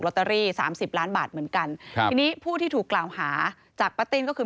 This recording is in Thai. เตอรี่สามสิบล้านบาทเหมือนกันครับทีนี้ผู้ที่ถูกกล่าวหาจากป้าติ้นก็คือ